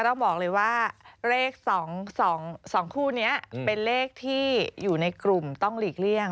ต้องบอกเลยว่าเลข๒คู่นี้เป็นเลขที่อยู่ในกลุ่มต้องหลีกเลี่ยง